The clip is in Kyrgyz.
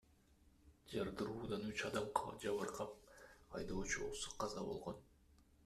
Жардыруудан үч адам жабыркап, айдоочу болсо каза болгон.